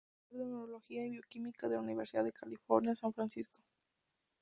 Profesor de Neurología y Bioquímica de la Universidad de California, San Francisco.